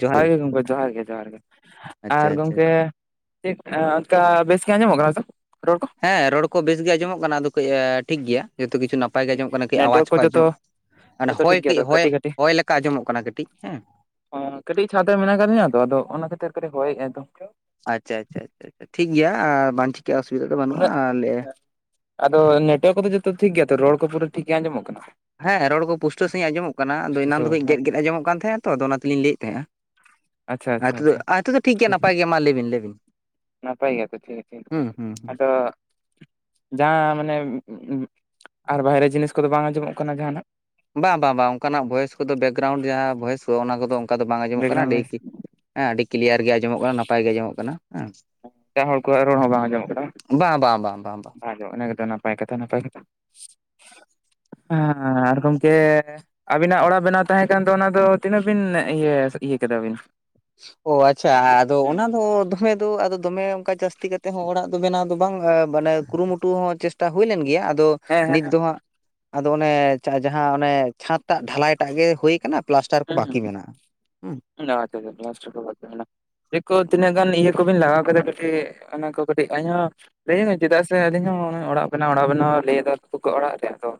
ᱡᱚᱦᱟᱨ ᱜᱮ ᱦᱳᱭ ᱜᱚᱢᱠᱮ ᱡᱚᱦᱟᱨ ᱜᱮ ᱡᱚᱦᱟᱨ ᱜᱮ ᱟᱪᱪᱷᱟ ᱟᱨ ᱟᱪᱪᱷᱟ ᱜᱚᱢᱠᱮ? ᱟᱱᱠᱟ ᱚᱱᱠᱟ ᱵᱮᱥ ᱜᱮ ᱟᱡᱟᱢᱚᱜ ᱠᱟᱱᱟ ᱥᱮ ᱨᱚᱲ ᱠᱚ? ᱦᱮᱸ ᱨᱚᱲ ᱠᱚ ᱵᱮᱥ ᱜᱮ ᱟᱸᱡᱚᱢᱚᱜ ᱠᱟᱱᱟ ᱟᱫᱚ ᱠᱟᱹᱡ ᱮ ᱴᱷᱤᱠ ᱜᱮᱭᱟ ᱡᱚᱛᱚ ᱠᱤᱪᱷᱩ ᱱᱟᱯ ᱯᱟᱭ ᱜᱮ ᱟᱸᱡᱚᱢᱚᱜ ᱠᱟᱱᱟ ᱠᱟᱹᱡ ᱟᱣᱟᱡ ᱱᱮᱴᱣᱟᱨᱠ ᱠᱚ ᱡᱚᱛᱚ ᱟᱸᱚᱢᱚᱜ, ᱚᱱᱟ ᱡᱚᱛᱚ ᱦᱚᱭ ᱴᱷᱤᱠ ᱜᱮᱭᱟ ᱠᱟᱹᱡ ᱛᱚ ᱦᱚᱭ, ᱠᱟᱹᱴᱤᱡ ᱠᱟᱹᱴᱤᱡ ᱦᱚᱭ ᱞᱮᱠᱟ ᱟᱸᱡᱚᱢᱚᱜ ᱠᱟᱱᱟ ᱠᱟᱹᱴᱤᱡ ᱦᱮᱸ᱾ ᱚ ᱠᱟᱹᱴᱤᱡ ᱪᱷᱟᱫᱽ ᱨᱮ ᱢᱮᱱᱟᱜ ᱟᱠᱟᱫ ᱞᱤᱧᱟ ᱛᱚ ᱟᱫᱚ ᱚᱱᱟ ᱠᱷᱟᱹᱛᱤᱨ ᱠᱟᱹᱴᱤᱡ ᱦᱚᱭᱮᱜᱼᱟ ᱫᱚ᱾ ᱟᱪᱪᱷᱟ ᱟᱪᱪᱷᱟ ᱟᱪᱪᱷᱟ ᱟᱪᱪᱷᱟ ᱴᱷᱤᱠ ᱜᱮᱭᱟ ᱮᱸ ᱵᱟᱝ ᱪᱤᱠᱟᱹᱜ-ᱟ ᱚᱥᱩᱵᱤᱫᱷᱟ ᱫᱚ ᱵᱟᱹᱱᱩᱜᱼᱟ ᱩᱱᱟᱹᱜ ᱟᱨ ᱞᱮ ᱟᱫᱚ ᱱᱮᱴᱣᱟᱨᱠ ᱠᱚᱫᱚ ᱡᱚᱛᱚ ᱴᱷᱤᱠ ᱜᱮᱭᱟ ᱛᱚ ᱨᱚᱲ ᱠᱚ ᱯᱩᱨᱟᱹ ᱴᱷᱤᱠ ᱜᱮ ᱟᱸᱡᱚᱢᱚᱜ ᱠᱟᱱᱟ ᱛᱚ? ᱦᱮᱸ ᱨᱚᱲ ᱠᱚ ᱯᱩᱥᱴᱟᱹ ᱥᱟᱦᱤᱡ ᱟᱸᱡᱚᱢ ᱠᱟᱱᱟ ᱟᱫᱚ ᱮᱱᱟᱱ ᱫᱚ ᱠᱟᱹᱡ ᱜᱮᱫ ᱦᱮᱸ ᱜᱮᱫ ᱟᱸᱚᱢᱚᱜ ᱠᱟᱱ ᱛᱟᱦᱮᱸᱜᱼᱟ ᱛᱚ ᱟᱫᱚ ᱚᱱᱟᱛᱮᱞᱤᱧ ᱞᱟᱹᱭᱮᱫ ᱛᱟᱦᱮᱸᱼᱟ᱾ ᱟᱪᱪᱷᱟ ᱟ ᱟᱪᱪᱷᱟ ᱦᱤᱛᱳᱜ ᱟᱪᱪᱷᱟ ᱟ ᱦᱤᱛᱳᱜ ᱫᱚ ᱴᱷᱤᱠ ᱜᱮᱭᱟ ᱱᱟᱯᱟᱭ ᱜᱮᱭᱟ ᱢᱟ ᱞᱟᱹᱭᱵᱤᱱ ᱞᱟᱹᱭᱵᱤᱱ᱾ ᱱᱟᱯᱟᱭ ᱜᱮᱭᱟ ᱛᱚ, ᱴᱷᱤᱠ ᱴᱷᱤᱠ ᱦᱩᱸ ᱴᱷᱤᱠ, ᱦᱩᱸ ᱦᱩᱸ ᱟᱫᱚ ᱡᱟᱦᱟᱸ ᱢᱟᱱᱮ ᱟᱨ ᱵᱟᱦᱨᱮ ᱡᱤᱱᱤᱥ ᱠᱚᱫᱚ ᱵᱟᱝ ᱟᱸᱡᱚᱢᱚᱜ ᱠᱟᱱᱟ ᱡᱟᱦᱟᱱᱟᱜ? ᱵᱟᱝ ᱵᱟᱝ ᱵᱟᱝ ᱚᱱᱠᱟᱱᱟᱜ ᱵᱷᱚᱭᱮᱥ ᱠᱚᱫᱚ ᱵᱮᱠᱜᱨᱟᱣᱩᱱᱰ ᱡᱟᱦᱟᱸ ᱵᱷᱚᱭᱮᱥ ᱠᱚ ᱚᱱᱟ ᱠᱚᱫᱚ ᱚᱱᱠᱟ ᱫᱚ ᱵᱟᱝ ᱟᱸᱡᱚᱢᱚᱜ ᱠᱟᱱᱟ ᱵᱮᱠᱜᱨᱟᱣᱩᱱᱰ ᱟᱹᱰᱤ ᱵᱷᱚᱭᱮᱥ ᱠᱤ ᱦᱮᱸ ᱟᱹᱰᱤ ᱠᱞᱤᱭᱟᱨ ᱜᱮ ᱟᱸᱡᱚᱢᱚᱜ ᱠᱟᱱᱟ ᱱᱟᱯᱟᱭ ᱜᱮ ᱟᱸᱡᱚᱢᱚᱜ ᱠᱟᱱᱟ ᱦᱮᱸ᱾ ᱮᱴᱟᱜ ᱦᱚᱲ ᱠᱚᱣᱟᱜ ᱨᱚᱲ ᱦᱚᱸ ᱵᱟᱝ ᱟᱸᱡᱚᱢᱚᱜ ᱠᱟᱱᱟ ᱵᱟᱝ? ᱵᱟᱝ ᱵᱟᱝ ᱵᱟᱝ ᱵᱟᱝ ᱵᱟ᱾ ᱟᱫᱚ ᱚᱱᱟ ᱜᱮᱛᱚ ᱱᱟᱯᱟᱭ ᱠᱟᱛᱷᱟ ᱱᱟᱯᱟᱭ ᱠᱟᱛᱷᱟ᱾ ᱟᱻ ᱟᱨ ᱜᱚᱢᱠᱮ ᱟᱵᱤᱱᱟᱜ ᱚᱲᱟᱜ ᱵᱮᱱᱟᱣ ᱛᱟᱦᱮᱸ ᱠᱟᱱ ᱫᱚ ᱚᱱᱟᱫᱚ ᱛᱤᱱᱟᱹᱜ ᱵᱤᱱ ᱤᱭᱟᱹ ᱤᱭᱟᱹ ᱠᱮᱫᱟ ᱵᱤᱱ? ᱚ ᱟᱪᱪᱷᱟ ᱦᱮᱸ ᱟᱫᱚ ᱚᱱᱟ ᱫᱚ ᱫᱚᱢᱮ ᱛᱳᱜ ᱟᱫᱚ ᱫᱚᱢᱮ ᱚᱱᱠᱟ ᱡᱟᱹᱥᱛᱤ ᱠᱟᱛᱮᱜ ᱦᱚᱸ ᱚᱲᱟᱜ ᱫᱚ ᱵᱮᱱᱟᱣ ᱫᱚ ᱵᱟᱝ ᱢᱟᱱᱮ ᱠᱩᱨᱩᱢᱩᱴᱩ ᱦᱚᱸ ᱪᱮᱥᱴᱟ ᱦᱩᱭ ᱞᱮᱱ ᱜᱮᱭᱟ, ᱟᱫᱚ ᱦᱮᱸ ᱱᱤᱛ ᱫᱚ ᱦᱟᱸᱜ ᱟᱫᱚ ᱚᱱᱮ ᱪᱟᱜ ᱡᱟᱦᱟᱸ ᱚᱱᱮ ᱪᱷᱟᱸᱫᱽ ᱴᱟᱜ ᱰᱷᱟᱞᱟᱭ ᱴᱟᱜ ᱜᱮ ᱦᱩᱭ ᱠᱟᱱᱟ ᱯᱞᱟᱥᱴᱟᱨ ᱠᱚ ᱵᱟᱠᱤ ᱢᱮᱱᱟᱜᱼᱟ, ᱦᱩᱸ᱾ ᱚ ᱟᱪᱪᱷᱟ ᱟᱪᱪᱷᱟ ᱯᱮᱞᱟᱥᱴᱟᱨ ᱠᱚ ᱵᱟᱠᱤ ᱢᱮᱱᱟᱼᱟ᱾ [inaudible] ᱛᱤᱱᱟᱹᱜ ᱜᱟᱱ ᱤᱭᱟᱹ ᱠᱚᱵᱤᱱ ᱞᱟᱜᱟᱣ ᱠᱮᱫᱟ ᱠᱟᱹᱴᱤᱡ ᱚᱱᱟ ᱠᱚ ᱠᱟᱹᱴᱤᱡ [inaudible] [inaudible] ᱪᱮᱫᱟᱜ ᱥᱮ ᱟᱹᱞᱤᱧ ᱦᱚᱸ ᱚᱱᱮ ᱚᱲᱟᱜ ᱵᱮᱱᱟᱣ ᱚᱲᱟᱜ ᱵᱮᱱᱟᱣ ᱞᱟᱹᱭᱫᱟ ᱛᱚᱠᱚ ᱚᱲᱟᱜ ᱨᱮ ᱟᱫᱚ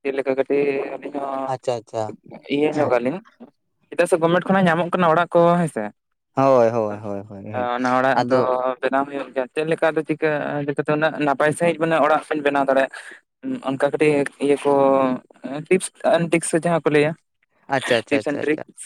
ᱪᱮᱫ ᱞᱮᱠᱟ ᱠᱟᱹᱴᱤᱡ ᱟᱹᱞᱤᱧ ᱦᱚᱸ ᱟᱪᱪᱷᱟ ᱟᱪᱪᱷᱟ ᱤᱭᱟᱹ ᱧᱚᱜᱟᱞᱤᱧ᱾ ᱪᱮᱫᱟᱜ ᱥᱮ ᱜᱚᱵᱷᱢᱮᱱᱴ ᱠᱷᱚᱱᱟᱜ ᱧᱟᱢᱚᱜ ᱠᱟᱱᱟ ᱚᱲᱟᱜ ᱠᱚ, ᱦᱮᱸ ᱥᱮ? ᱦᱳᱭ ᱦᱳᱭ ᱦᱳᱭ ᱦᱳᱭ ᱚᱱᱟ ᱚᱲᱟᱜ ᱫᱚ ᱟᱫᱚ ᱵᱮᱱᱟᱣ ᱦᱩᱭᱩᱜ ᱜᱮᱭᱟ ᱪᱮᱫ ᱞᱮᱠᱟ ᱟᱫᱚ ᱪᱤᱠᱟᱹ ᱪᱤᱠᱟᱹᱛᱮ ᱩᱱᱟᱹᱜ ᱱᱟᱯᱟᱭ ᱥᱟᱺᱦᱤᱡ ᱢᱟᱱᱮ ᱚᱲᱟᱜ ᱵᱮᱱ ᱵᱮᱱᱟᱣ ᱫᱟᱲᱮᱭᱟᱜᱼᱟ? ᱚᱱᱠᱟ ᱠᱟᱹᱴᱤᱡ ᱤᱭᱟᱹ ᱠᱚ ᱮᱸ ᱴᱤᱯᱥ ᱟᱱ ᱴᱤᱠᱥ ᱥᱮ ᱡᱟᱦᱟᱸ ᱠᱚ ᱞᱟᱹᱭᱟ ᱟᱪᱪᱷᱟ ᱟᱪᱪᱷᱟ ᱴᱤᱯᱥ ᱟᱪᱪᱷᱟ ᱮᱱᱰ ᱟᱪᱪᱷᱟ, ᱴᱨᱤᱠᱥ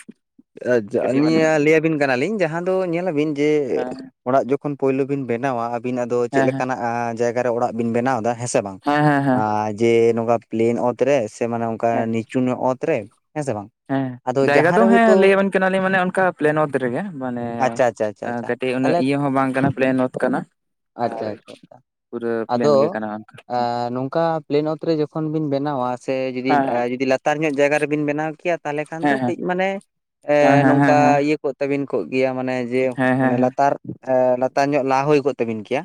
ᱟᱪᱪᱷᱟ ᱠᱟᱹᱴᱤᱡ ᱢᱟᱱᱮ ᱟᱞᱤᱧᱟ ᱞᱟᱹᱭᱟᱵᱤᱱ ᱠᱟᱱᱟᱞᱤᱧ ᱡᱟᱦᱟᱸ ᱫᱚ ᱧᱮᱞᱟᱵᱤᱱ ᱡᱮ ᱦᱮᱸ ᱚᱲᱟᱜ ᱡᱚᱠᱷᱚᱱ ᱯᱳᱭᱞᱳ ᱵᱤᱱ ᱵᱮᱱᱟᱣᱟ ᱟᱹᱵᱤᱱ ᱟᱫᱚ ᱪᱮᱫ ᱦᱮᱸ ᱞᱮᱠᱟᱱᱟᱜ ᱟ ᱡᱟᱭᱜᱟ ᱨᱮ ᱚᱲᱟᱜ ᱵᱤᱱ ᱵᱮᱱᱟᱣ ᱫᱟ, ᱦᱮᱸ ᱥᱮ ᱵᱟᱝ? ᱦᱮᱸ ᱦᱮᱸ ᱡᱮ ᱱᱚᱝᱠᱟ ᱯᱞᱮᱱ ᱚᱛ ᱨᱮ ᱥᱮ ᱢᱟᱱᱮ ᱚᱱᱠᱟ ᱦᱮᱸ ᱱᱤᱪᱩ ᱧᱚᱜ ᱚᱛ ᱨᱮ, ᱦᱮᱸ ᱥᱮ ᱵᱟᱝ? ᱦᱮᱸ ᱟᱫᱚ ᱡᱟᱭᱜᱟ ᱡᱟᱦᱟᱸ ᱫᱚ ᱨᱮ ᱦᱮᱸ ᱦᱳᱭᱛᱳ ᱞᱟᱹᱭ ᱟᱵᱤᱱ ᱠᱟᱱᱟᱞᱤᱧ ᱢᱟᱱᱮ ᱚᱱᱠᱟ ᱯᱞᱮᱱ ᱚᱛ ᱨᱮᱜᱮ ᱢᱟᱱᱮ ᱟᱪᱪᱷᱟ ᱟᱪᱪᱷᱟ ᱟᱪᱪᱷᱟ ᱮᱸ ᱟᱪᱪᱷᱟ ᱠᱟᱹᱴᱤᱡ ᱩᱱᱟᱹᱜ ᱛᱟᱦᱚᱞᱮ ᱤᱭᱟᱹ ᱦᱚᱸ ᱵᱟᱝ ᱠᱟᱱᱟ ᱯᱞᱮᱱ ᱚᱛ ᱠᱟᱱᱟ᱾ ᱟᱪᱪᱷᱟ ᱟᱨ ᱟᱪᱪᱷᱟ ᱟᱪᱪᱷᱟ᱾ ᱯᱩᱨᱟᱹ ᱯᱞᱮᱱ ᱟᱫᱚ ᱜᱮ ᱠᱟᱱᱟ ᱚᱱᱠᱟ ᱟ ᱱᱚᱝᱠᱟ ᱯᱞᱮᱱ ᱚᱛ ᱨᱮ ᱡᱚᱠᱷᱚᱱ ᱵᱤᱱ ᱵᱮᱱᱟᱣᱟ ᱥᱮ ᱡᱩᱫᱤ ᱮ ᱦᱮᱸ ᱡᱩᱫᱤ ᱞᱟᱛ ᱛᱟᱨ ᱧᱚᱜ ᱡᱟᱭᱜᱟ ᱨᱮᱵᱤᱱ ᱵᱮᱱᱟᱣ ᱠᱮᱭᱟ ᱛᱟᱦᱚᱞᱮ ᱠᱷᱟᱱ ᱫᱚ ᱦᱮᱸ ᱦᱮᱸ ᱠᱟᱹᱡ ᱢᱟᱱᱮ ᱦᱮᱸ ᱮᱸ ᱦᱮᱸ ᱦᱮᱸ ᱱᱚᱝᱠᱟ ᱦᱮᱸ ᱤᱭᱟᱹ ᱠᱚᱜ ᱛᱟᱵᱤᱱ ᱠᱚᱜ ᱜᱮᱭᱟ ᱢᱟᱱᱮ ᱡᱮ ᱦᱮᱸ ᱦᱮᱸ ᱦᱮᱸ ᱦᱮᱸ ᱦᱮᱸ ᱦᱮᱸ ᱦᱮᱸ ᱦᱮᱸ ᱢᱟᱱᱮ ᱦᱮᱸ ᱦᱮᱸ ᱦᱮᱸ ᱞᱟᱛᱟᱨ ᱮ ᱞᱟᱛᱟᱨ ᱧᱚᱜ ᱞᱟᱦ ᱦᱩᱭ ᱠᱚᱜ ᱛᱟᱵᱤᱱ ᱠᱮᱭᱟ᱾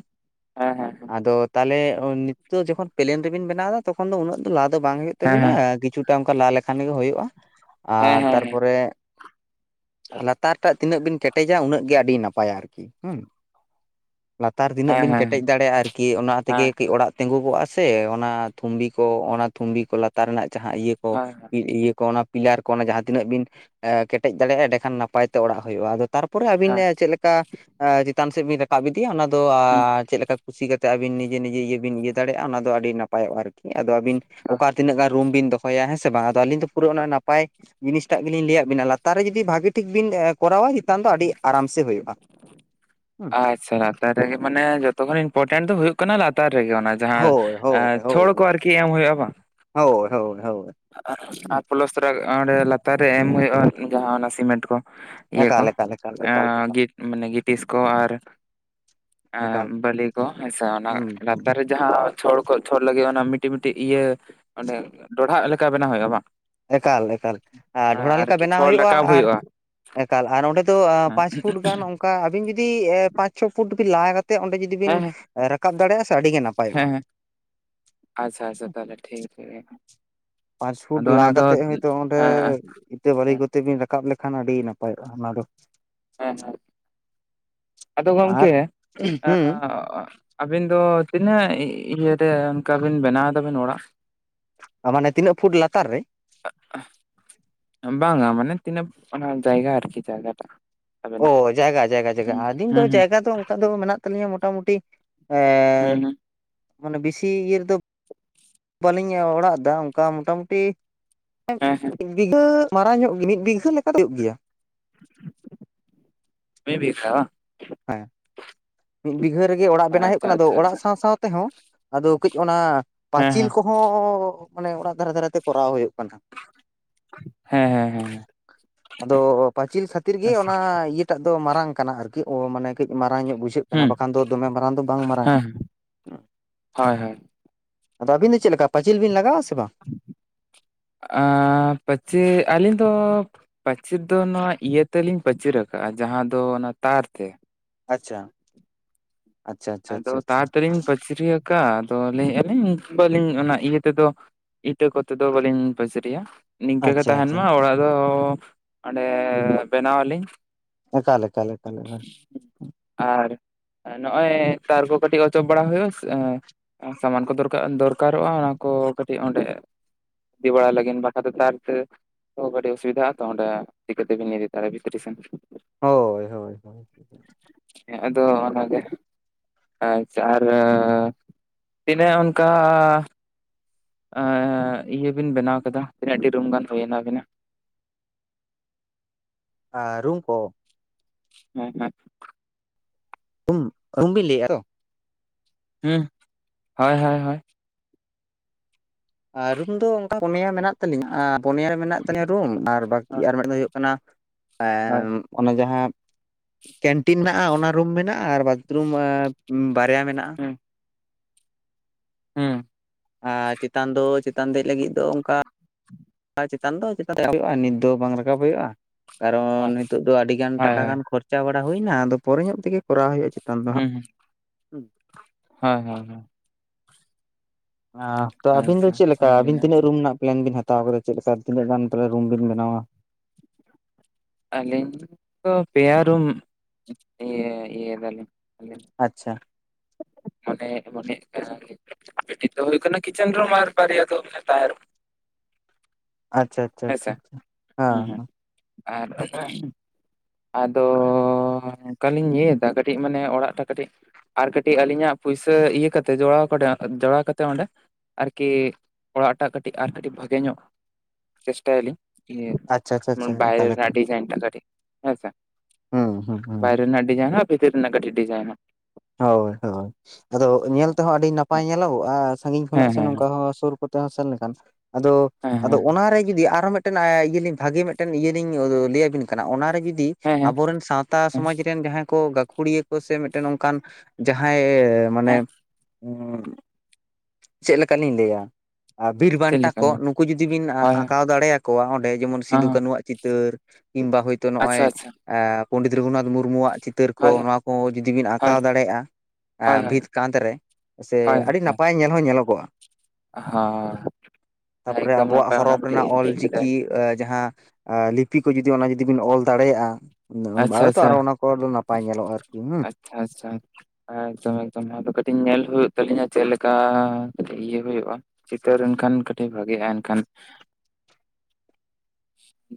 ᱦᱮᱸ ᱦᱮᱸ ᱦᱮᱸ᱾ ᱟᱫᱚ ᱛᱟᱦᱚᱞᱮ ᱱᱤᱛᱚᱜ ᱡᱚᱠᱷᱚᱱ ᱯᱞᱮᱱ ᱨᱮᱵᱮᱱ ᱵᱮᱱᱟᱣ ᱮᱫᱟ ᱛᱚᱠᱷᱚᱱ ᱫᱚ ᱩᱱᱟᱹᱜ ᱫᱚ ᱞᱟ ᱫᱚ ᱵᱟᱝ ᱦᱩᱭᱩᱜ ᱛᱟᱵᱤᱱᱟ ᱠᱤᱪᱷᱩ ᱴᱟᱝ ᱚᱱᱠᱟ ᱞᱟ ᱞᱮᱠᱷᱟᱱ ᱜᱮ ᱦᱩᱭᱩᱜᱼᱟ ᱟᱨ ᱛᱟᱨᱯᱚᱨᱮ ᱞᱟᱛᱟᱨ ᱴᱟᱜ ᱛᱤᱱᱟᱹᱜ ᱵᱤᱱ ᱠᱮᱴᱮᱡᱟ ᱩᱱᱟᱹᱜ ᱜᱮ ᱟᱹᱰᱤ ᱱᱟᱯᱟᱭᱟ ᱟᱨᱠᱤ, ᱦᱩᱸ᱾ ᱞᱟᱛᱟᱨ ᱛᱤᱱᱟᱹᱜ ᱵᱤᱱ ᱠᱮᱴᱮᱡ ᱦᱮᱸ ᱫᱟᱲᱮᱭᱟᱜᱼᱟ ᱟᱨᱠᱤ ᱚᱱᱟ ᱛᱮᱜᱮ ᱠᱟᱹᱡ ᱚᱲᱟᱜ ᱛᱤᱸᱜᱩ ᱠᱚᱜᱼᱟ ᱥᱮ ᱚᱱᱟ ᱛᱷᱩᱢᱵᱤ ᱠᱚ ᱚᱱᱟ ᱛᱷᱩᱢᱵᱤ ᱠᱚ ᱞᱟᱛᱟᱨ ᱨᱮᱱᱟᱜ ᱡᱟᱦᱟᱸ ᱤᱭᱟᱹ ᱠᱚ ᱦᱮᱸ ᱤᱭᱟᱹ ᱠᱚ ᱚᱱᱟ ᱯᱤᱞᱟᱨ ᱠᱚ ᱚᱱᱟ ᱡᱟᱦᱟᱸ ᱛᱤᱱᱟᱹᱜ ᱵᱤᱱ ᱮ ᱠᱮᱴᱮᱡ ᱫᱟᱲᱮᱭᱟᱜᱼᱟ ᱮᱸᱰᱮᱠᱷᱟᱱ ᱱᱟᱯᱟᱭ ᱛᱮ ᱚᱲᱟᱜ ᱦᱩᱭᱩᱜᱼᱟ ᱟᱫᱟ ᱛᱟᱨ ᱯᱚᱨᱮ ᱦᱮᱸ ᱟᱵᱤᱱ ᱦᱮᱸ ᱦᱮᱸ ᱮ ᱪᱮᱫ ᱞᱮᱠᱟ ᱟ ᱪᱮᱛᱟᱱ ᱥᱮᱫ ᱵᱤᱱ ᱨᱟᱠᱟᱵ ᱤᱫᱤᱭᱟ ᱚᱱᱟ ᱫᱚ ᱟ ᱪᱮᱫ ᱞᱮᱠᱟ ᱠᱩᱥᱤ ᱠᱟᱛᱮ ᱟᱹᱵᱤᱱ ᱱᱤᱡᱮ ᱱᱤᱡᱮ ᱤᱭᱟᱹ ᱵᱤᱱ ᱤᱭᱟᱹ ᱫᱟᱲᱮᱭᱟᱜᱼᱟ ᱚᱱᱟ ᱫᱚ ᱟᱹᱰᱤ ᱱᱟᱯᱟᱭᱚᱜᱼᱟ ᱟᱨᱠᱤ᱾ ᱟᱫᱚ ᱟᱹᱵᱤᱱ ᱚᱠᱟ ᱛᱤᱱᱟᱹᱜ ᱜᱟᱱ ᱨᱩᱢ ᱵᱤᱱ ᱫᱚᱦᱚᱭᱟ ᱦᱮᱸ ᱥᱮ ᱵᱟᱝ ᱟᱫᱚ ᱟᱹᱞᱤᱧ ᱫᱚ ᱯᱩᱨᱟᱹ ᱚᱱᱟ ᱱᱟᱯᱟᱭ ᱡᱤᱱᱤᱥᱴᱟᱜ ᱜᱮᱞᱤᱧ ᱞᱟᱹᱭᱟᱫ ᱵᱤᱱᱟ ᱞᱟᱛᱟᱨ ᱨᱮ ᱡᱩᱫᱤ ᱵᱷᱟᱜᱤ ᱴᱷᱤᱠ ᱵᱤᱱ ᱠᱚᱨᱟᱣᱟ ᱪᱮᱛᱟᱱ ᱫᱚ ᱟᱹᱰᱤ ᱟᱨᱟᱢ ᱥᱮ ᱦᱩᱭᱩᱜᱼᱟ ᱾ [inaudible] ᱟᱪᱪᱷᱟ ᱛᱟᱦᱚᱞᱮ ᱢᱟᱱᱮ ᱡᱷᱚᱛᱚ ᱠᱷᱚᱱ ᱤᱢᱯᱚᱨᱴᱮᱱᱴ ᱫᱚ ᱦᱩᱭᱩᱜ ᱠᱟᱱᱟ ᱞᱟᱛᱟᱨ ᱨᱮᱜᱮ ᱢᱟᱱᱮ ᱚᱱᱟ ᱡᱟᱦᱟᱸ ᱦᱳᱭ ᱪᱷᱚᱲ ᱠᱚ ᱟᱨᱠᱤ ᱮᱢ ᱦᱩᱭᱩᱜᱼᱟ ᱵᱟᱝ? ᱦᱳᱭ-ᱦᱳᱭ-ᱦᱳᱭ᱾ ᱟᱨ ᱯᱞᱟᱥ ᱨᱮ ᱚᱸᱰᱮ ᱞᱟᱛᱟᱨ ᱨᱮ ᱮᱢ ᱦᱩᱭᱩᱜᱼᱟ ᱡᱟᱦᱟᱸ ᱚᱱᱟ ᱥᱤᱢᱮᱱᱴ ᱠᱚ ᱤᱭᱟᱹ ᱠᱚ, ᱮᱠᱟᱞ ᱮᱠᱟᱞ ᱮᱠᱟᱞ ᱮᱠᱟᱞ ᱮᱠᱟᱞ ᱢᱟᱱᱮ ᱜᱤᱴᱤᱥ ᱠᱚ ᱟᱨ ᱮᱠᱟᱞ ᱵᱟᱹᱞᱤ ᱠᱚ ᱢᱮᱥᱟ ᱚᱱᱟ ᱦᱩᱸ ᱦᱩᱸ ᱞᱟᱛᱟᱨ ᱨᱮ ᱡᱟᱦᱟᱸ ᱪᱷᱚᱲ ᱠᱚ ᱪᱷᱚᱲ ᱞᱟᱹᱜᱤᱫ ᱚᱱᱟ ᱢᱤᱫᱴᱤᱡ ᱢᱤᱫᱴᱤᱡ ᱤᱭᱟᱹ ᱚᱱᱰᱮ ᱰᱚᱰᱦᱟᱜ ᱞᱮᱠᱟ ᱵᱮᱱᱟᱣ ᱦᱩᱭᱩᱜᱼᱟ ᱵᱟᱝ? ᱮᱠᱟᱞ ᱮᱠᱟᱞ ᱟᱨ ᱦᱮᱸ ᱰᱷᱚᱲᱟ ᱞᱮᱠᱟ ᱟᱨᱠᱤ ᱵᱮᱱᱟᱣ ᱪᱷᱚᱲ ᱦᱩᱭᱩᱜᱼᱟ ᱨᱟᱠᱟᱵ ᱟᱨ ᱮᱠᱟᱞ ᱟᱨ ᱚᱸᱰᱮ ᱫᱚ ᱦᱮᱸ ᱯᱟᱸᱪ ᱯᱷᱩᱴ ᱜᱟᱱᱼᱼ ᱚᱱᱠᱟ ᱟᱵᱤᱱ ᱡᱩᱫᱤ ᱮ ᱯᱟᱸᱪ ᱪᱷᱚ ᱯᱷᱩᱴ ᱵᱤᱱ ᱞᱟᱭ ᱠᱟᱛᱮ ᱚᱸᱰᱮ ᱡᱩᱫᱤ ᱵᱤᱱ ᱦᱮᱸ ᱦᱮᱸ ᱨᱟᱠᱟᱵ ᱫᱟᱲᱮᱭᱟᱜᱼᱟ ᱥᱮ ᱟᱹᱰᱤ ᱜᱮ ᱱᱟᱯᱟᱭᱚᱜ᱾ ᱦᱮᱸ ᱦᱮᱸ ᱟᱪᱪᱷᱟ ᱟᱪᱪᱷᱟ ᱛᱟᱦᱚᱞᱮ ᱴᱷᱤᱠ ᱜᱮᱭᱟ᱾ ᱯᱟᱸᱪ ᱯᱷᱩᱴ ᱟᱫᱚ ᱞᱟ ᱚᱱᱟ ᱫᱚ ᱠᱟᱛᱮᱜ ᱦᱮᱸ ᱦᱳᱭᱛᱳ ᱚᱸᱰᱮ ᱦᱮᱸ ᱛᱮ ᱵᱟᱞᱤ ᱠᱚᱛᱮ ᱵᱤᱱ ᱨᱟᱠᱟᱵ ᱞᱮᱠᱷᱟᱱ ᱟᱹᱰᱤ ᱱᱟᱯᱟᱭᱚᱜᱼᱟ ᱚᱱᱟ ᱫᱚ ᱾ ᱦᱮᱸ ᱦᱮᱸ ᱟᱫᱚ ᱟᱨ ᱜᱚᱝᱠᱮ ᱮ ᱟᱹᱵᱤᱱ ᱫᱚ ᱛᱤᱱᱟᱹᱜ ᱤᱭᱟᱹᱨᱮ ᱚᱱᱠᱟ ᱵᱤᱱ ᱵᱮᱱᱟᱣ ᱫᱟᱵᱤᱱ ᱚᱲᱟᱜ? ᱢᱟᱱᱮ ᱛᱤᱱᱟᱹᱜ ᱯᱷᱩᱴ ᱞᱟᱛᱟᱨ ᱨᱮ ᱾ ᱵᱟᱝᱼᱟ ᱢᱟᱱᱮ ᱛᱤᱱᱟᱹᱜ ᱡᱟᱭᱜᱟ ᱟᱨᱠᱤ ᱡᱟᱭᱜᱟ ᱴᱟᱜ ᱾ ᱚ ᱡᱟᱭᱜᱟ-ᱡᱟᱭᱜᱟ-ᱡᱟᱭᱜᱟ ᱟᱹᱞᱤᱧ ᱫᱚ ᱦᱩᱸ ᱡᱟᱭᱜᱟ ᱫᱚ ᱚᱱᱠᱟ ᱫᱚ ᱢᱮᱱᱟᱜ ᱛᱟᱞᱤᱧᱟ ᱢᱚᱴᱟᱢᱩᱴᱤ ᱮᱸᱼᱼ ᱦᱩᱸ ᱦᱩᱸ ᱢᱟᱱᱮ ᱵᱮᱥᱤ ᱤᱭᱟᱹ ᱨᱮᱫᱚ ᱵᱟᱹᱞᱤᱧ ᱚᱲᱟᱜ ᱮᱫᱟ ᱚᱱᱠᱟ ᱢᱚᱴᱟᱢᱩᱴᱤ ᱦᱮᱸ ᱦᱮᱸ ᱢᱤᱫ ᱵᱤᱜᱷᱟᱹ ᱢᱟᱨᱟᱝ ᱧᱚᱜ ᱜᱮ ᱢᱤᱫ ᱵᱤᱜᱷᱟᱹ ᱞᱮᱠᱟ ᱦᱩᱭᱩᱜ ᱜᱮᱭᱟ ᱾ ᱢᱤᱜ ᱵᱤᱜᱷᱟ ᱵᱟᱝ? ᱦᱮᱸ᱾ ᱢᱤᱫ ᱵᱤᱜᱷᱟᱹ ᱨᱮᱜᱮ ᱚᱲᱟᱜ ᱵᱮᱱᱟᱣ ᱦᱩᱭᱩᱜ ᱟᱪᱪᱷᱟ ᱠᱟᱱᱟ ᱟᱫᱚ ᱟᱪᱪᱷᱟ ᱚᱲᱟᱜ ᱟᱪᱪᱷᱟ ᱥᱟᱶ ᱥᱟᱶ ᱛᱮᱦᱚᱸ ᱟᱫᱚ ᱠᱟᱹᱡ ᱚᱱᱟ ᱦᱮᱸ ᱯᱟᱪᱤᱞ ᱦᱮᱸ ᱠᱚ ᱦᱚᱸ ᱢᱟᱱᱮ ᱚᱲᱟᱜ ᱫᱷᱟᱨᱮ ᱫᱷᱟᱨᱮ ᱛᱮ ᱠᱚᱨᱟᱣ ᱦᱩᱭᱩᱜ ᱠᱟᱱᱟ ᱾ ᱦᱮᱸ ᱦᱮᱸ ᱦᱮᱸ ᱦᱮᱸ ᱟᱫᱚ ᱯᱟᱹᱪᱤᱞ ᱠᱷᱟᱹᱛᱤᱨ ᱜᱤ ᱟᱪᱪᱷᱟ ᱚᱱᱟ ᱤᱭᱟᱹ ᱴᱟᱜ ᱫᱚ ᱢᱟᱨᱟᱝ ᱠᱟᱱᱟ ᱟᱨᱠᱤ ᱚ-ᱢᱟᱱᱮ ᱠᱟᱹᱡ ᱢᱟᱨᱟᱝ ᱧᱚᱜ ᱵᱩᱡᱷᱟᱹᱜ ᱠᱟᱱᱟ ᱦᱩᱸ ᱵᱟᱠᱷᱟᱱ ᱫᱚ ᱫᱚᱢᱮ ᱢᱟᱨᱟᱝ ᱫᱚ ᱵᱟᱝ ᱢᱟᱨᱟᱝ-ᱟ ᱦᱮᱸ ᱾ ᱦᱳᱭ ᱦᱳᱭ ᱟᱫᱚ ᱟᱹᱵᱤᱱ ᱫᱚ ᱪᱮᱫ ᱞᱮᱠᱟ ᱯᱟᱹᱪᱤᱞ ᱵᱤᱱ ᱞᱟᱜᱟᱣᱼᱟ ᱥᱮ ᱵᱟᱝ? ᱟ-ᱯᱟᱪᱤᱞ ᱟᱞᱤᱧ ᱫᱚ ᱯᱟᱹᱪᱤᱨ ᱫᱚ ᱱᱚᱣᱟ ᱤᱭᱟᱹ ᱛᱮᱞᱤᱧ ᱯᱟᱹᱪᱤᱨ ᱟᱠᱟᱫᱼᱟ ᱡᱟᱦᱟᱸ ᱫᱚ ᱚᱱᱟ ᱛᱟᱨ ᱛᱮ ᱾ ᱟᱪᱪᱷᱟ᱾ ᱟᱪᱪᱷᱟ ᱟᱪᱪᱷᱟ ᱟᱫᱚ ᱟᱪᱪᱷᱟ ᱟᱪᱪᱷᱟ ᱛᱟᱨ ᱛᱮᱞᱤᱧ ᱯᱟᱹᱪᱨᱤ ᱟᱠᱟᱫ ᱟᱫᱚ ᱞᱤᱧ ᱵᱟᱞᱤᱧ ᱚᱱᱟ ᱤᱭᱟᱹ ᱛᱮᱫᱚ ᱤᱴᱟᱹ ᱠᱚᱛᱮ ᱫᱚ ᱵᱟᱹᱞᱤᱧ ᱯᱟᱪᱨᱤᱭᱟ ᱾ ᱱᱤᱝᱠᱟᱹ ᱜᱮ ᱟᱪᱪᱷᱟ ᱛᱟᱦᱮᱱ ᱟᱪᱪᱷᱟ ᱢᱟ ᱚᱲᱟᱜ ᱫᱚ ᱚᱸᱰᱮ ᱵᱮᱱᱟᱣ ᱟᱹᱞᱤᱧ ᱾ ᱮᱠᱟᱞ-ᱮᱠᱟᱞ ᱮᱠᱟᱞ ᱾ ᱟᱨ ᱱᱚᱜᱼᱚᱭ ᱛᱟᱨ ᱠᱚ ᱠᱟᱹᱴᱤᱡ ᱚᱪᱚᱜ ᱵᱟᱲᱟ ᱦᱳᱭᱳ ᱟ ᱥᱮ ᱾ ᱥᱟᱢᱟᱱ ᱠᱚ ᱫᱚᱨᱠᱟᱨ ᱫᱚᱨᱠᱟᱨᱚᱜᱼᱟ ᱚᱱᱟ ᱠᱚ ᱠᱟᱹᱴᱤᱡ ᱚᱸᱰᱮ ᱫᱤ ᱵᱟᱲᱟᱭ ᱞᱟᱹᱜᱤᱫ ᱵᱟᱝᱠᱷ ᱫᱚ ᱛᱟᱨ ᱛᱮ ᱛᱚ ᱠᱟᱹᱴᱤᱡ ᱚᱥᱵᱤᱫᱷᱟ ᱟ ᱛᱚ ᱚᱸᱰᱮ ᱴᱤᱠᱟᱹ ᱛᱮᱵᱤᱱ ᱤᱫᱤ ᱛᱚᱨᱚᱭᱟ ᱵᱷᱤᱛᱨᱤ ᱥᱮᱱ? ᱦᱳᱭ ᱦᱳᱭ ᱦᱳᱭ ᱟᱫᱚ ᱚᱱᱟ ᱜᱮ᱾ ᱟᱪᱪᱷᱟ ᱟᱨ ᱛᱤᱱᱟᱹᱜ ᱚᱱᱠᱟᱼᱼ ᱮᱸ ᱤᱭᱟᱹ ᱵᱤᱱ ᱵᱮᱱᱟᱣ ᱠᱮᱫᱟ ᱛᱤᱱᱟᱹᱜᱴᱤ ᱨᱳᱢ ᱜᱟᱱ ᱦᱩᱭᱱᱟ ᱟᱵᱤᱱᱟᱜ᱾ ᱟᱨ ᱨᱩᱢ ᱠᱚ? ᱦᱮᱸ ᱟᱨ ᱩᱢ ᱨᱩᱢ ᱵᱤᱱ ᱞᱟᱹᱭᱮᱫᱼᱟ ᱟᱨ ᱦᱚ ᱦᱩ ᱦᱳᱭ ᱦᱳᱭ᱾ ᱨᱩᱢ ᱫᱚ ᱚᱱᱠᱟ ᱯᱳᱱᱮᱭᱟ ᱢᱮᱱᱟᱜ ᱛᱟᱞᱤᱧᱟ ᱟᱨ ᱯᱳᱱᱮᱭᱟ ᱢᱮᱱᱟᱜ ᱛᱟᱞᱤᱧᱟ ᱨᱩᱢ ᱟᱨ ᱵᱟᱠᱤ ᱟᱨ ᱢᱤᱫ ᱫᱚ ᱦᱩᱭᱩᱜ ᱠᱟᱱᱟ ᱮ ᱦᱳᱭ ᱚᱱᱮ ᱡᱟᱦᱟᱸ ᱠᱮᱱᱴᱤᱱ ᱢᱮᱱᱟᱜ-ᱟ ᱚᱱᱟ ᱨᱩᱢ ᱢᱮᱱᱟᱜ-ᱟ ᱟᱨ ᱵᱟᱛᱷᱨᱩᱢ ᱮ ᱵᱟᱨᱭᱟ ᱢᱮᱱᱟᱜ-ᱟ᱾ ᱦᱩᱸ᱾ ᱦᱩᱸ᱾ ᱟᱨ ᱪᱮᱛᱟᱱ ᱫᱚ ᱪᱮᱛᱟᱱ ᱫᱮᱡᱽ ᱞᱟᱹᱜᱤᱫ ᱫᱚ ᱚᱱᱠᱟ ᱟᱨ ᱪᱮᱛᱟᱱ ᱫᱚ ᱪᱮᱛᱟᱱ ᱨᱟᱠᱟ [unintelligible] ᱱᱤᱛ ᱫᱚ ᱵᱟᱝ ᱨᱟᱠᱟᱵ ᱦᱩᱭᱩᱜ-ᱟ᱾ ᱠᱟᱨᱚᱱ ᱦᱳᱭ ᱱᱤᱛᱳᱜ ᱫᱚ ᱟᱹᱰᱤᱜᱟᱱ ᱦᱳᱭ ᱴᱟᱠᱟ ᱦᱳᱭ ᱜᱟᱱ ᱠᱷᱚᱨᱪᱟ ᱵᱟᱲᱟ ᱦᱩᱭᱱᱟ ᱟᱫᱚ ᱯᱚᱨᱮ ᱧᱚᱜ ᱛᱮᱜᱮ ᱠᱚᱨᱟᱣ ᱦᱩᱭᱩᱜ-ᱟ᱾ᱪᱮ ᱪᱮᱛᱟᱱ ᱫᱚ ᱦᱟᱸᱜ᱾ ᱦᱮᱸ ᱦᱮᱸ ᱦᱮᱸ᱾ ᱟᱸ ᱛᱚ ᱟᱵᱤᱱ ᱫᱚ ᱟᱪᱪᱷᱟ ᱪᱮᱫ ᱟᱪᱪᱷᱟ ᱞᱮᱠᱟ ᱟᱹᱰᱤ ᱟᱵᱤᱱ ᱛᱤᱱᱟᱹ ᱱᱟᱯᱟᱭ ᱨᱩ ᱨᱮᱱᱟᱜ ᱯᱞᱮᱱ ᱵᱤᱱ ᱦᱟ ᱛᱟ ᱯᱚᱨᱮ ᱪᱮᱫ ᱞᱮᱠᱟ ᱛᱤᱱᱟᱹᱜ ᱜᱟᱱ ᱛᱟᱦᱚᱞᱮ ᱨᱩᱢ ᱵᱤᱱ ᱵᱮᱱᱟᱣᱟ? ᱟᱹᱞᱤᱧ ᱫᱚ ᱯᱮᱭᱟ ᱨᱩᱢ ᱤᱭᱟᱹ ᱤᱭᱟᱹ ᱫᱟᱞᱤᱧ ᱟᱞᱤᱧ ᱟᱪᱪᱷᱟ᱾ ᱢᱚᱱᱮ ᱢᱚᱱᱮᱜᱠᱟᱱ ᱡᱤᱫᱽ ᱴᱤᱡ ᱫᱚ ᱦᱩᱭᱩᱜ ᱠᱟᱱᱟ ᱠᱤᱪᱮᱱ ᱨᱩᱢ ᱟᱨ ᱵᱟᱨᱮᱭᱟ ᱫᱚ ᱛᱟᱦᱮᱱ ᱨᱩᱢ᱾ ᱟᱪᱪᱷᱟ, ᱟᱪᱪᱷᱟ, ᱦᱮᱸᱥᱮ ᱟᱪᱪᱷᱟ, ᱟᱪᱪᱷᱟ, ᱦᱩᱸ ᱦᱩᱸ ᱦᱮᱸ᱾ ᱟᱨ ᱟᱫᱚ ᱚᱱᱠᱟᱞᱤᱧ ᱤᱭᱟ. ᱫᱟ ᱠᱟᱹᱴᱤᱡ ᱢᱟᱱᱮ ᱚᱲᱟᱜᱴᱟ ᱴᱟ ᱠᱟᱹᱴᱤᱪ ᱟᱨ ᱠᱟᱹᱴᱤᱪ ᱟᱹᱞᱤᱧᱟᱜ ᱯᱩᱭᱥᱟᱹ ᱤᱭᱟᱹ ᱠᱟᱛᱮ ᱡᱚᱲᱟᱣ ᱠᱟᱛᱮ ᱡᱚᱲᱟᱣ ᱠᱟᱛᱮ ᱚᱸᱰᱮ ᱟᱨᱠᱤ ᱚᱲᱟᱜᱴᱟᱜ ᱴᱟᱜ ᱠᱟᱹᱴᱤᱡ ᱟᱨ ᱠᱟᱹᱴᱤᱡ ᱵᱷᱟᱜᱮ ᱧᱚᱜ ᱪᱮᱥᱴᱟᱭ ᱟᱞᱤᱧ᱾ ᱠᱮᱜ ᱟᱪᱪᱷᱟ ᱟᱪᱪᱷᱟ ᱚᱱᱟ ᱟᱪᱪᱷᱟ ᱵᱟᱭᱨᱮ ᱮᱠᱟᱞ ᱨᱮᱱᱟᱜ ᱮᱠᱟᱞ ᱰᱤᱡᱟᱭᱤᱱ ᱴᱟᱜ ᱠᱟᱹᱴᱤᱡ ᱟᱪᱪᱷᱟ ᱦᱩᱸ ᱦᱩᱸ ᱦᱩᱸ ᱵᱟᱭᱨᱮ ᱨᱮᱱᱟᱜ ᱰᱤᱡᱟᱭᱤᱱ ᱟᱨ ᱵᱷᱤᱛᱤᱨ ᱨᱮᱱᱟᱜ ᱠᱟᱹᱴᱤᱡ ᱰᱤᱡᱟᱭᱤᱱᱟ᱾ ᱦᱳᱭ ᱦᱳᱭ ᱟᱫᱚ ᱧᱮᱞ ᱛᱮᱦᱚᱸ ᱟᱹᱰᱤ ᱱᱟᱯᱟᱭ ᱧᱮᱞᱚᱜ-ᱟ ᱥᱟᱺᱜᱤᱧ ᱠᱷᱚᱱᱟᱜ ᱦᱮᱸ ᱥᱮ ᱦᱮᱸ ᱱᱚᱝᱠᱟ ᱦᱚᱸ ᱥᱩᱨ ᱠᱚ ᱚᱱᱛᱮ ᱦᱚᱸ ᱥᱮᱱ ᱞᱮᱠᱷᱟᱱ ᱟᱫᱚ ᱦᱮᱸ ᱟᱫᱚ ᱦᱮᱸ ᱚᱱᱟᱨᱮ ᱡᱩᱫᱤ ᱟᱨᱚ ᱢᱤᱫ ᱢᱤᱫᱴᱮᱱ ᱤᱭᱟᱹ ᱞᱤᱧ ᱵᱷᱟᱜᱮ ᱢᱤᱫᱴᱮᱱ ᱤᱭᱟᱹ ᱞᱤᱧ ᱞᱟᱹᱭ ᱟᱵᱤᱱ ᱠᱟᱱᱟ ᱚᱱᱟᱨᱮ ᱡᱩᱫᱤ ᱦᱮᱸ ᱦᱮᱸ ᱟᱵᱚᱨᱮᱱ ᱥᱟᱶᱛᱟ ᱦᱮᱸ ᱥᱚᱢᱟᱡᱽ ᱨᱮᱱ ᱡᱟᱦᱟᱸᱭ ᱠᱚ ᱜᱟᱹᱠᱷᱩᱲᱤᱭᱟᱹ ᱠᱚ ᱥᱮ ᱢᱤᱫᱴᱮᱱ ᱚᱱᱠᱟᱱ ᱡᱟᱦᱟᱸᱭ ᱮᱸ ᱢᱟᱱᱮ ᱦᱮᱸ ᱮ ᱪᱮᱫ ᱞᱮᱠᱟᱞᱤᱧ ᱞᱟᱹᱭᱟ? ᱟᱨ ᱵᱤᱨ ᱪᱮᱫ ᱵᱟᱱᱴᱟ ᱞᱮᱠᱟ ᱠᱚ ᱦᱳᱭ ᱱᱩᱠᱩ ᱡᱩᱫᱤ ᱵᱤᱱ ᱦᱳᱭ ᱟᱸᱠᱟᱣ ᱫᱟᱲᱮ ᱟᱠᱚᱣᱟ ᱚᱸᱰᱮ ᱡᱮᱢᱚᱱ ᱥᱤᱫᱩ ᱦᱚᱸ ᱠᱟᱱᱩ ᱟᱜ ᱪᱤᱛᱟᱹᱨ᱾ ᱠᱤᱝᱵᱟ ᱦᱳᱭᱛᱳ ᱱᱚᱜ-ᱚᱭ ᱟᱪᱪᱷᱟ ᱟᱪᱪᱷᱟ ᱯᱚᱹᱱᱰᱤᱛ ᱨᱚᱜᱷᱩᱱᱟᱛᱷ ᱢᱩᱨᱢᱩᱣᱟᱜ ᱪᱤ ᱪᱤᱛᱟᱹᱨ ᱠᱚ ᱦᱳᱭ ᱱᱚᱣᱟ ᱠᱚ ᱡᱩᱫᱤ ᱵᱤᱱ ᱦᱳᱭ ᱟᱸᱠᱟᱣ ᱦᱳᱭ ᱦᱳᱭ ᱫᱟᱲᱮᱭᱟᱜ-ᱟ᱾ᱵᱷᱤᱛ ᱠᱟᱸᱛ ᱨᱮ ᱥᱮ ᱦᱳᱭ ᱟᱹᱰᱤ ᱱᱟᱯᱟᱭ ᱦᱳᱭ ᱧᱮᱞ ᱦᱚᱸ ᱧᱮᱞᱚᱜᱚᱜ-ᱟ ᱦᱳᱭ ᱛᱟᱯᱚᱨᱮ ᱮᱠᱫᱚᱢ ᱟᱵᱚᱣᱟᱜ ᱱᱟᱯᱟᱭ ᱚᱱᱟ ᱦᱚᱨᱚᱯ ᱨᱮᱱᱟᱜ ᱢᱤᱫᱴᱤᱡ ᱚᱞ ᱞᱟᱹᱭ ᱠᱮᱫᱟ ᱪᱤᱠᱤ ᱡᱟᱦᱟᱸ ᱮᱸ ᱞᱤᱯᱤ ᱠᱚ ᱡᱩᱫᱤ ᱚᱱᱟ ᱡᱩᱫᱤ ᱵᱤᱱ ᱚᱞ ᱫᱟᱲᱮᱭᱟᱜᱼᱟ᱾ ᱫᱷᱚᱨᱚᱱ ᱟᱪᱪᱷᱟ ᱵᱟᱦᱨᱮ ᱛᱚ ᱟᱪᱪᱷᱟ ᱟᱨ ᱚᱱᱟ ᱠᱚ ᱱᱟᱯᱟᱭ ᱧᱮᱞᱚᱜ-ᱟ ᱟᱨᱠᱤ ᱦᱩᱸ᱾ ᱟᱪᱪᱷᱟ ᱟᱪᱪ ᱮᱠᱫᱚᱢ ᱮᱠᱫᱚᱢ ᱟᱫᱚ ᱠᱟᱹᱴᱤᱡ ᱧᱮᱞ ᱦᱩᱭᱩᱜ ᱛᱟᱞᱤᱧᱟ ᱪᱮᱫ ᱞᱮᱠᱟ ᱠᱟᱹᱴᱤᱡ ᱤᱭᱟᱹ ᱦᱩᱭᱩᱜ-ᱟ᱾ ᱪᱤᱛᱟᱹᱨ ᱮᱱᱠᱷᱟᱱ ᱠᱟᱹᱴᱤᱡ ᱵᱷᱟᱹᱜᱤᱜ-ᱟ᱾ ᱮᱱᱠᱷᱟᱱ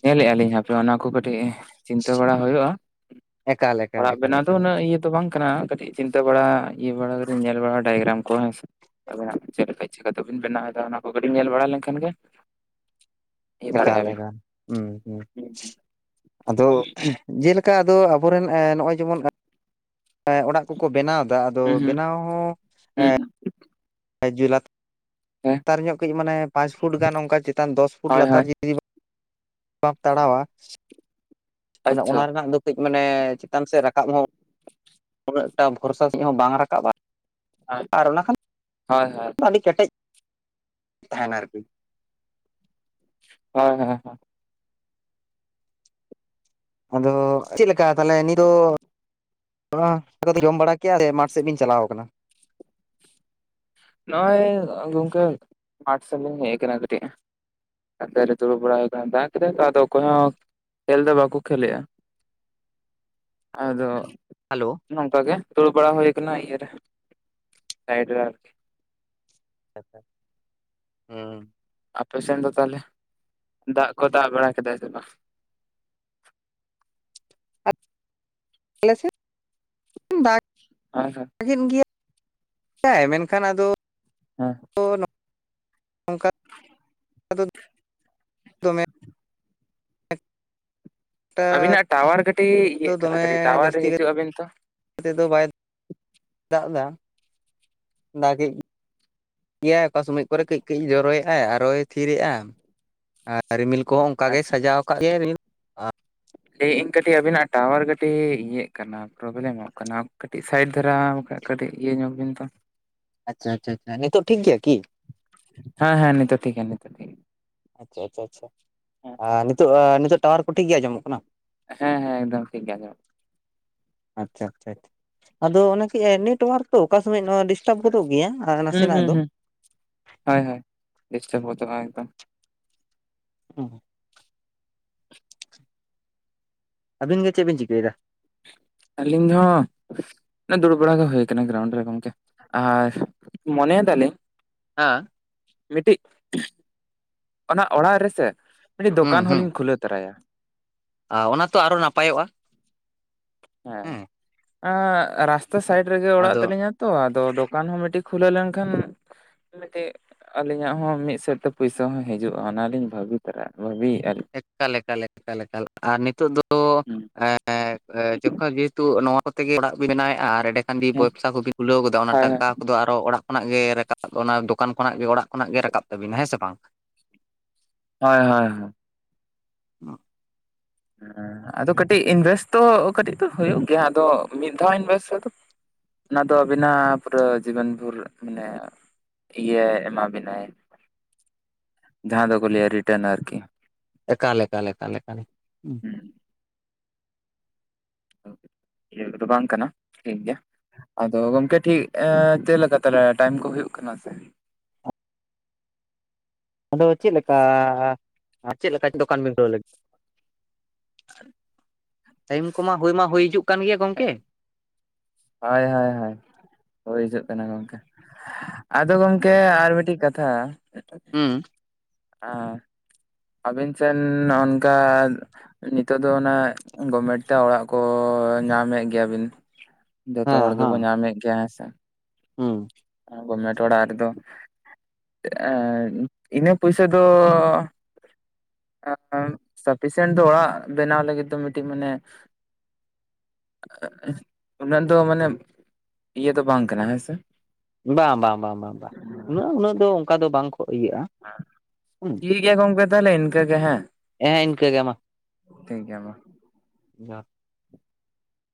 ᱧᱮᱞ-ᱮᱜ ᱟᱞᱤᱧ ᱦᱟᱯᱮ ᱚᱱᱟ ᱠᱚ ᱠᱟᱹᱴᱤᱡ ᱪᱤᱱᱛᱟᱹ ᱵᱟᱲᱟ ᱦᱩᱭᱩᱜ-ᱟ᱾ ᱮᱠᱟᱞ ᱮᱠᱟᱞ ᱚᱲᱟᱜ ᱮᱠᱟᱞ ᱵᱮᱱᱟᱣ ᱫᱚ ᱮᱠᱟᱞ ᱩᱱᱟᱹᱜ ᱤᱭᱟᱹ ᱛᱚ ᱵᱟᱝ ᱠᱟᱱᱟ ᱠᱟᱹᱴᱤᱡ ᱪᱤᱱᱛᱟᱹ ᱵᱟᱲᱟ ᱤᱭᱟᱹ ᱵᱟᱲᱟ ᱠᱟᱹᱴᱤᱡ ᱧᱮᱞ ᱵᱟᱲᱟ ᱰᱟᱭᱜᱨᱟᱢ ᱠᱚ ᱦᱮᱸ ᱥᱮ ᱟᱵᱮᱱᱟᱜ ᱪᱮᱫ ᱞᱮᱠᱟ ᱪᱮᱠᱟᱛᱮᱵᱤᱱ ᱵᱮᱱᱟᱣ ᱮᱫᱟ ᱚᱱᱟ ᱠᱚ ᱠᱟᱹᱴᱤᱜ ᱧᱮᱞ ᱵᱟᱲᱟ ᱞᱮᱱᱠᱷᱟᱱ ᱜᱮ ᱤᱭᱟᱹ ᱫᱟᱲᱮᱭᱟᱜᱼᱟ ᱮᱠᱟᱞ ᱵᱤᱱ᱾ ᱮᱠᱟᱞ ᱦᱩᱸ ᱦᱩᱸ ᱟᱫᱚ ᱡᱮᱞᱮ ᱠᱟ ᱟᱫᱚ ᱟᱵᱚᱨᱮᱱ ᱮᱸ ᱱᱚᱜᱼᱚᱭ ᱡᱮᱢᱚᱱ ᱚᱲᱟᱜ ᱠᱚᱠᱚ ᱵᱮᱱᱟᱣ ᱫᱟ ᱟᱫᱚ ᱦᱩᱸ ᱵᱮᱱᱟᱣ ᱦᱚᱸ ᱦᱩᱸ ᱦᱩᱸ, ᱮᱸ ᱡᱩᱭᱞᱟᱛ ᱦᱮᱸ ᱞᱟᱛᱟᱨ ᱧᱚᱜ ᱠᱟᱹᱡ ᱢᱟᱱᱮ ᱯᱟᱸᱪ ᱯᱷᱩᱴ ᱜᱟᱱ ᱚᱱᱠᱟ ᱪᱮᱛᱟᱱ ᱫᱚᱥ ᱯᱷᱩᱴ ᱦᱳᱭ ᱞᱟᱛᱟᱨ ᱦᱳᱭ [inaudible] ᱵᱟᱢ ᱛᱟᱲᱟᱣᱟ ᱢᱟᱱᱮ ᱟᱪᱪᱷᱟ ᱚᱱᱟ ᱨᱮᱱᱟᱜ ᱫᱚ ᱠᱟᱹᱡ ᱢᱟᱱᱮ ᱪᱮᱛᱟᱱ ᱥᱮᱜ ᱨᱟᱠᱟᱵ ᱦᱚᱸ ᱩᱱᱟᱹᱜᱴᱟ ᱵᱷᱚᱨᱥᱟ ᱥᱮᱜ ᱦᱚᱸ ᱵᱟᱝ ᱨᱟᱠᱟᱵ-ᱟ᱾ ᱦᱳᱭ ᱟᱨ ᱚᱱᱟ ᱠᱷᱟᱱ ᱦᱳᱭ ᱟᱹᱰᱤ ᱠᱮᱴᱮᱜ ᱛᱟᱦᱮᱸᱱᱟ ᱟᱨᱠᱤ᱾ ᱦᱚᱭ ᱦᱚᱭ ᱦᱚᱭ᱾ ᱟᱫᱚ ᱪᱮᱜᱮᱠᱟ ᱛᱟᱦᱚᱞᱮ ᱱᱤ ᱫᱚ ᱦᱚᱸ [inaudible] ᱫᱚ ᱡᱚᱢ ᱵᱟᱲᱟ ᱠᱮᱜ-ᱟ [unintelligible] ᱢᱟᱴᱷ ᱥᱮᱜ ᱞᱤᱧ ᱪᱟᱞᱟᱣ ᱠᱟᱱᱟ᱾ ᱱᱚᱜᱼᱚᱭ ᱜᱚᱝᱠᱮ ᱢᱟᱴᱷ ᱥᱮᱜ ᱞᱤᱧ ᱦᱮᱜ ᱠᱟᱱᱟ ᱠᱟᱹᱴᱤᱜ᱾ ᱟᱫᱚ ᱱᱤᱛᱚᱜ ᱫᱩᱲᱩᱵ ᱵᱟᱲᱟ ᱦᱩᱭ ᱠᱟᱱᱟ ᱫᱟᱜᱽ ᱠᱮᱫᱟᱭ ᱛᱚ ᱟᱫᱚ ᱚᱠᱚᱭ ᱦᱚᱸ ᱠᱷᱮᱞ ᱫᱚ ᱵᱟᱠᱚ ᱠᱷᱮᱞ ᱞᱮᱜᱼᱟ ᱟᱫᱚ ᱦᱟᱞᱳ, ᱱᱚᱝᱠᱟ ᱜᱮ ᱫᱩᱲᱩᱵ ᱵᱟᱲᱟ ᱦᱩᱭ ᱠᱟᱱᱟ ᱤᱭᱟᱹᱨᱮ ᱥᱟᱭᱤᱰ ᱨᱮ ᱟᱨᱠᱤ᱾ ᱟᱪᱪᱷᱟ, ᱦᱩᱸ ᱟᱯᱮ ᱥᱮᱱ ᱫᱚ ᱛᱟᱦᱚᱞᱮ ᱫᱟᱜᱽ ᱠᱚ ᱫᱟᱜᱽ ᱵᱟᱲᱟ ᱠᱮᱫᱟᱭ ᱥᱮ ᱵᱟᱝ? ᱟᱞᱮ ᱥᱮᱱ [inaudible] ᱫᱟᱜ ᱦᱮ ᱸ ᱥᱮ, ᱞᱟᱹᱜᱤᱫ ᱜᱮ [inaudible] ᱭᱟᱭ [inaudible] ᱢᱮᱱᱠᱷᱟᱱ ᱟᱫᱚ ᱦᱮᱸ ᱦᱮᱸᱜ ᱚᱱᱠᱟ ᱫᱚ ᱫᱚᱢᱮ ᱮᱠᱴᱟ ᱟᱹᱵᱤᱱᱟᱜ ᱴᱟᱣᱟᱨ ᱠᱟᱹᱴᱤᱡ ᱫᱚ ᱤᱭᱟᱹᱜ ᱠᱟᱱᱟ ᱠᱟᱹᱴᱤᱜ ᱴᱟᱣᱟᱨ ᱨᱮ ᱦᱤᱡᱩᱜ ᱟᱹᱵᱤᱱ ᱛᱚ ᱱᱚᱛᱮᱫᱚ ᱵᱟᱭ [inaudible] ᱫᱟᱜᱽ ᱫᱟ ᱫᱟᱜᱮᱜ ᱜᱮᱭᱟᱭ ᱚᱠᱟ ᱥᱚᱢᱚᱭ ᱠᱚᱨᱮ ᱠᱟᱹᱡᱼ ᱠᱟᱹᱡ ᱡᱚᱨᱚᱭᱮᱜᱼᱟᱭ ᱟᱨᱚᱭ ᱛᱷᱤᱨᱮᱜᱼᱟ ᱟᱨ ᱨᱤᱢᱤᱞ ᱠᱚᱦᱚᱸ ᱚᱝᱠᱟ ᱜᱮ ᱟᱪᱪᱷᱟ ᱥᱟᱡᱟᱣ ᱠᱟᱜ ᱜᱮᱭᱟᱭ ᱨᱤᱢᱤᱞ᱾ ᱞᱟᱹᱭ ᱟᱹᱧ ᱠᱟᱹᱴᱤᱜ ᱟᱹᱵᱤᱱᱟᱜ ᱴᱟᱣᱟᱨ ᱠᱟᱹᱴᱤᱜ ᱤᱭᱟᱹᱜ ᱠᱟᱱᱟ ᱯᱨᱚᱵᱞᱮᱢᱚᱜ ᱠᱟᱱᱟ ᱠᱟᱹᱴᱤᱜ ᱥᱟᱭᱤᱰ ᱫᱷᱟᱨᱟ ᱵᱟᱠᱷᱟᱭ ᱠᱟᱹᱴᱤᱜ ᱤᱭᱟᱹ ᱧᱚᱜ ᱵᱤᱱ ᱛᱚ, ᱟᱪᱪᱷᱟ ᱟᱪᱪᱷᱟ, ᱱᱤᱛᱚᱜ ᱴᱷᱤᱠ ᱜᱮᱭᱟ ᱠᱤ? ᱦᱮᱸ ᱦᱮᱸ ᱱᱤᱛᱚᱜ ᱴᱷᱤᱠ ᱜᱮᱭᱟ ᱱᱤᱛᱚᱜ ᱴᱷᱤᱠ ᱟᱪᱪᱷᱟ ᱟᱪᱪᱷᱟ ᱟᱪᱪᱷᱟ ᱜᱮᱭᱟ ᱟᱸ ᱱᱤᱛᱚᱜ ᱟᱸ ᱱᱤᱛᱚᱜ ᱴᱟᱣᱟᱨ ᱠᱚ ᱴᱷᱤᱠ ᱜᱮ ᱟᱸᱡᱚᱢᱚᱜ ᱠᱟᱱᱟ? ᱦᱮᱸ ᱦᱮᱸ ᱮᱠᱫᱚᱢ ᱴᱷᱤᱠ ᱜᱮ ᱟᱸᱡᱚᱢᱚᱜ ᱟᱪᱪᱷᱟ ᱟᱪᱪᱷᱟ ᱟᱪᱪᱷᱟ ᱟᱫᱚ ᱚᱱᱟᱠᱤ ᱮᱸ ᱱᱤᱛ ᱴᱟᱣᱟᱨ ᱛᱚ ᱚᱠᱟ ᱥᱚᱢᱚᱭ ᱱᱚᱣᱟ ᱰᱤᱥᱴᱟᱯ ᱜᱚᱫᱚᱜ ᱜᱮᱭᱟ᱾ ᱦᱩᱸ ᱱᱟᱥᱮᱱᱟᱜ ᱦᱩᱸ ᱫᱚ ᱦᱩᱸ, ᱦᱳᱭ ᱦᱳᱭ ᱰᱤᱥᱴᱟᱯ ᱜᱚᱫᱚᱜ-ᱟ ᱮᱠᱫᱚᱢ᱾ ᱦᱩᱸ ᱦᱩᱸ ᱟᱹᱵᱤᱱ ᱜᱮ ᱪᱮᱜ ᱵᱤᱱ ᱪᱤᱠᱟᱹᱭ ᱫᱟ? ᱟᱹᱞᱤᱧ ᱦᱚᱸ ᱚᱱᱮ ᱫᱩᱲᱩᱵ ᱵᱟᱲᱟ ᱦᱩᱭ ᱠᱟᱱᱟ ᱜᱨᱟᱣᱩᱱᱰ ᱨᱮ ᱜᱚᱝᱠᱮ᱾ ᱟᱨ ᱢᱚᱱᱮᱭ ᱫᱟᱞᱤᱧ ᱦᱟ ᱢᱤᱜᱴᱤᱜ ᱚᱱᱟ ᱚᱲᱟᱜ ᱨᱮᱥᱮ ᱢᱤᱜᱴᱤᱜ ᱫᱚᱠᱟᱱ ᱦᱚᱸᱞᱤᱧ ᱠᱷᱩᱞᱟᱹ ᱛᱚᱨᱟᱭᱟ᱾ ᱟᱧ ᱚᱱᱟ ᱛᱚ ᱟᱨᱚ ᱱᱟᱯᱟᱭᱚᱜᱼᱟ᱾ ᱦᱮᱸ ᱮᱸ ᱨᱟᱥᱛᱟ ᱥᱟᱭᱤᱰ ᱨᱮᱜᱮ ᱚᱲᱟᱜ ᱟᱫᱚ ᱛᱟᱹᱞᱤᱧᱟ ᱛᱚ ᱟᱫᱚ ᱫᱚᱠᱟᱱ ᱦᱚᱸ ᱢᱮᱜᱴᱮᱜ ᱠᱷᱩᱞᱟᱹᱣ ᱞᱮᱱᱠᱷᱟᱱ ᱢᱮᱜᱴᱮᱜ ᱟᱹᱞᱤᱧᱟᱜ ᱦᱚᱸ ᱢᱤᱫ ᱥᱮᱫ ᱛᱮ ᱯᱩᱭᱥᱟ ᱦᱚᱸ ᱦᱤᱡᱩᱜᱼᱟ ᱚᱱᱟᱞᱤᱧ ᱵᱷᱟᱵᱤ ᱛᱟᱠᱟᱜᱼᱟ ᱵᱷᱟᱵᱤᱭᱮᱜᱼᱟᱞᱤᱧ᱾ ᱮᱠᱟ ᱞᱮᱠᱟ ᱞᱮᱠᱟ ᱞᱮᱠᱟ ᱟᱨ ᱱᱤᱛᱚᱜ ᱫᱚ ᱞᱤᱧ ᱮᱸ ᱮᱸ [inaudible] ᱡᱚᱠᱷᱚᱱ ᱡᱮᱦᱮᱛᱩ ᱱᱚᱣᱟ ᱠᱚᱛᱮ ᱜᱮ ᱚᱲᱟᱜ ᱵᱮᱱᱟᱣᱮᱫᱼᱟ ᱟᱨ ᱮᱰᱮ ᱦᱮᱸ ᱵᱮᱵᱥᱟ ᱠᱚᱵᱤᱱ ᱛᱩᱞᱟᱹᱣ ᱠᱚᱫᱟ ᱚᱱᱟ ᱦᱳᱭ ᱴᱟᱠᱟ ᱠᱚᱫᱚ ᱟᱨᱚ ᱚᱲᱟᱜ ᱠᱚᱱᱟᱜ ᱜᱮ ᱨᱟᱠᱟᱵ ᱚᱱᱟ ᱫᱚᱠᱟᱱ ᱠᱷᱚᱱᱟᱜ ᱜᱮ ᱚᱲᱟᱜ ᱠᱷᱚᱱᱟᱜ ᱜᱮ ᱨᱟᱠᱟᱵ ᱛᱟᱹᱵᱤᱱᱟ ᱦᱮᱸ ᱥᱮ ᱵᱟᱝ ᱦᱚᱭ ᱦᱚᱭ [unintelligible] ᱦᱮᱸ ᱟᱫᱚ ᱠᱟᱹᱴᱤᱡ ᱤᱱᱵᱷᱮᱥ ᱛᱚ ᱠᱟᱹᱴᱤᱡ ᱫᱚ ᱦᱩᱭᱩᱜ ᱜᱮᱭᱟ ᱟᱫᱚ ᱢᱤᱫ ᱫᱷᱟᱣ ᱤᱱᱵᱮᱥ ᱟᱫᱚ ᱚᱱᱟ ᱫᱚ ᱟᱹᱵᱤᱱᱟᱜ ᱯᱩᱨᱟᱹ ᱡᱤᱵᱚᱱ ᱵᱷᱳᱨ ᱢᱟᱱᱮ ᱤᱭᱟᱹ ᱮᱢᱟ ᱵᱤᱱᱟᱭ ᱡᱟᱦᱟᱸ ᱫᱚᱠᱚ ᱞᱟᱹᱭᱟ ᱨᱤᱴᱨᱟᱱ ᱟᱨᱠᱤ ᱮᱠᱟᱞ ᱮᱠᱟᱞ ᱮᱠᱟᱞ ᱮᱠᱟᱞ [unintelligible] ᱵᱟᱝ ᱠᱟᱱᱟ ᱴᱷᱤᱠ ᱜᱮ ᱟᱫᱚ ᱜᱚᱢᱠᱮ ᱴᱷᱤᱠ ᱮᱸ ᱪᱮᱫ ᱞᱮᱠᱟ ᱛᱟᱞᱮ ᱴᱟᱭᱤᱢ ᱠᱚ ᱦᱩᱭᱩᱜ ᱠᱟᱱᱟ ᱥᱮ ᱟᱫᱚ ᱪᱮᱫᱞᱮᱠᱟ ᱪᱮᱫ ᱞᱮᱠᱟ ᱫᱚᱠᱟᱱ ᱵᱤᱱ ᱠᱷᱩᱞᱟᱣ ᱞᱟᱹᱜᱤᱫ ᱴᱟᱭᱤᱢ ᱠᱚᱢᱟ ᱦᱳᱭ ᱢᱟ ᱦᱩᱭ ᱦᱤᱡᱩᱜ ᱠᱟᱱ ᱜᱮᱭᱟ ᱜᱚᱝᱠᱮ ᱦᱳᱭ ᱦᱳᱭ ᱦᱳᱭ ᱦᱳᱭ ᱦᱤᱡᱩᱜ ᱠᱟᱱᱟ ᱜᱚᱝᱠᱮ ᱟᱫᱚ ᱜᱚᱢᱠᱮ ᱟᱨ ᱢᱤᱴᱤᱡ ᱠᱟᱼᱼ ᱛᱷᱟ ᱦᱩᱸ ᱟᱸ ᱟᱹᱵᱤᱱ ᱥᱮᱱ ᱦᱚᱜ ᱱᱚᱝᱠᱟ ᱱᱤᱛᱳᱜ ᱫᱚ ᱚᱱᱟ ᱜᱚᱵᱷᱢᱮᱴ ᱛᱮ ᱚᱲᱟᱜ ᱠᱚ ᱧᱟᱢᱮᱜ ᱜᱮᱭᱟ ᱵᱤᱱ ᱡᱚᱛᱚ ᱦᱚᱲ ᱦᱮᱸ ᱜᱮᱵᱚᱱ ᱦᱮᱸ ᱧᱟᱢᱮᱫ ᱜᱮᱭᱟ ᱦᱮᱸᱥᱮ ᱦᱩᱸ ᱜᱚᱯᱢᱮᱴ ᱚᱲᱟᱜ ᱨᱮᱫᱚ ᱮᱸ ᱤᱱᱟᱹ ᱯᱩᱭᱥᱟᱹ ᱫᱚ [unintelligible] ᱥᱟᱯᱷᱤᱥᱮᱱᱴ ᱫᱚ ᱚᱲᱟᱜ ᱵᱮᱱᱟᱣ ᱞᱟᱹᱜᱤᱫ ᱫᱚ ᱢᱤᱫᱴᱤᱡ ᱢᱟᱱᱮ [inaudible] ᱩᱱᱟᱹᱜ ᱫᱚ ᱢᱟᱱᱮ ᱤᱭᱟ ᱫᱚ ᱵᱟᱝ ᱠᱟᱱᱟ ᱦᱮᱸ ᱥᱮ ᱵᱟᱝ ᱵᱟᱝ ᱵᱟᱝ ᱵᱟᱝ ᱵᱟᱝ ᱩᱱᱟᱹᱜ ᱩᱱᱟᱹᱜ ᱫᱚ ᱚᱱᱠᱟ ᱫᱚ ᱵᱟᱝ ᱠᱚ ᱤᱭᱟᱹᱜᱼᱟ ᱦᱩᱸ ᱴᱷᱤᱠ ᱜᱮᱭᱟ ᱜᱚᱝᱠᱮ ᱛᱟᱦᱚᱞᱮ ᱤᱱᱠᱟᱹ ᱜᱮ ᱦᱮᱸ ᱮᱻᱸ ᱤᱱᱠᱟᱹ ᱜᱮ ᱢᱟ ᱴᱷᱤᱜ ᱜᱮᱭᱟ ᱢᱟ [unintelligible]